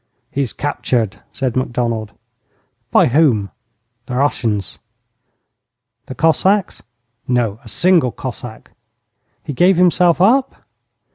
'He is captured,' said Macdonald. 'By whom?' 'The Russians.' 'The Cossacks?' 'No, a single Cossack.' 'He gave himself up?'